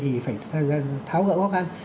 thì phải tháo gỡ góc ăn